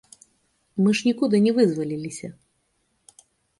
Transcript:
Мы ж нікуды не вызваліліся.